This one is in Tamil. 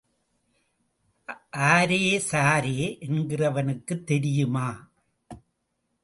ஆரே சாரே என்கிறவனுக்குத் தெரியுமா?